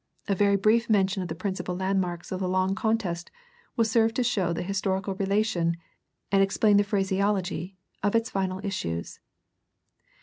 A very brief mention of the principal landmarks of the long contest will serve to show the historical relation, and explain the phraseology, of its final issues.